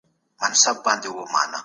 میز څېړنه د اسنادو په ترتیب کي مهمه ده.